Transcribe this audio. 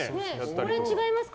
これ、違いますか？